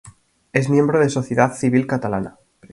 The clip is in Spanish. Es miembro de Sociedad Civil Catalana.